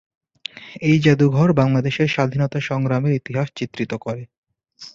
এই জাদুঘর বাংলাদেশের স্বাধীনতা সংগ্রামের ইতিহাস চিত্রিত করে।